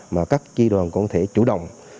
mà các chi đoàn cũng thể chủ động